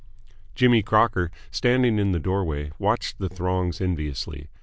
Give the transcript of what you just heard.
Jimmy Crocker, standing in the doorway, watched the throngs enviously.